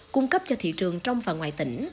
cung cấp cho thị trường trong và ngoài tỉnh